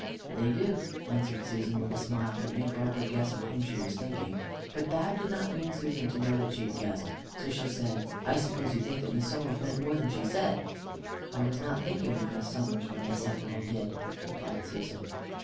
"They do," answered Susan, with a smile that made Barbara guess of whom she was thinking. But Bab did not mean Susan to know that she guessed, so she said, "I suppose you think that Miss Somers meant more than she said?" "I was not thinking of Miss Somers when I said what I did," replied Susan.